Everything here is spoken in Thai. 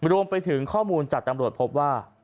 รวมไปถึงข้อมูลจากตำรวจพบว่า